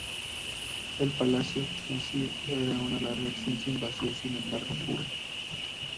El palacio en sí era una larga extensión vacía y sin embargo pura.